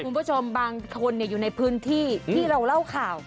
คุณผู้ชมบางคนอยู่ในพื้นที่ที่เราเล่าข่าว